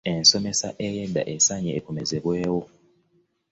Ensomesa ey'edda esaanye ekomezebwewo.